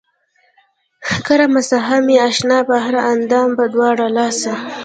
کړه مسحه مې اشنا پۀ هر اندام پۀ دواړه لاسه